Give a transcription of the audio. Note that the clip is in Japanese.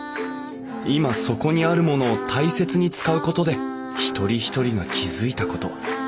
今そこにあるものを大切に使うことで一人一人が気付いたこと。